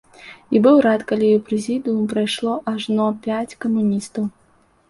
І быў рад, калі ў прэзідыум прайшло ажно пяць камуністаў.